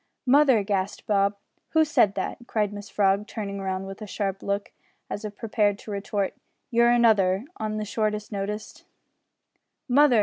"Mother!" gasped Bob. "Who said that?" cried Mrs Frog, turning round with a sharp look, as if prepared to retort "you're another" on the shortest notice. "Mother!"